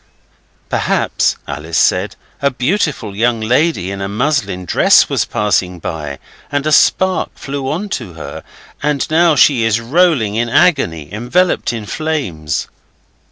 'Perhaps, Alice said, 'a beautiful young lady in a muslin dress was passing by, and a spark flew on to her, and now she is rolling in agony enveloped in flames.